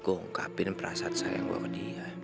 gue ungkapin perasaan saya ke dia